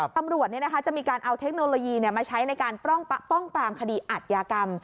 ตำรวจจะมีการเอาเทคโนโลยีมาใช้ในการป้องปรามคดีอัดยากรรม